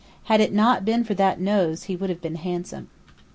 Had it not been for that nose he would have been handsome.